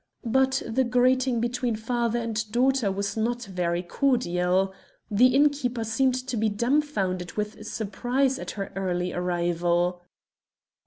But the greeting between father and daughter was not very cordial. The innkeeper seemed to be dumbfounded with surprise at her early arrival.